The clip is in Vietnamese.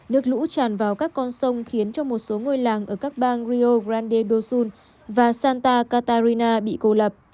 nước lũ tràn vào các con sông khiến cho một số ngôi làng ở các bang rio grande do sul và santa katarina bị cô lập